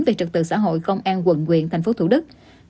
về trật tự xã hội công an quận nguyện tp hcm